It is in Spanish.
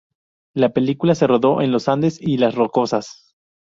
La película se rodó en los Andes y las Rocosas.